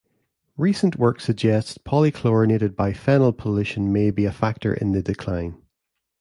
Recent work suggests polychlorinated biphenyl pollution may be a factor in the decline.